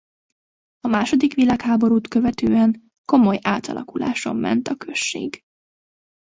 A második világháborút követően komoly átalakuláson ment a község.